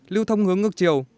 lưu thông hướng ngược chiều